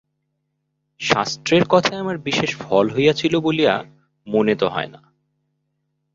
শাস্ত্রের কথায় আমার বিশেষ ফল হইয়াছিল বলিয়া মনে তো হয় না।